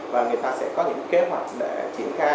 và người ta sẽ có những kế hoạch để triển khai